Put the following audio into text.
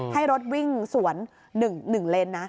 ให้รถวิ่งสวน๑เลนนะ